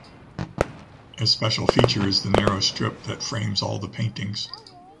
A special feature is the narrow strip that frames all the paintings.